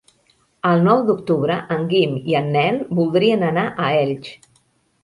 El nou d'octubre en Guim i en Nel voldrien anar a Elx.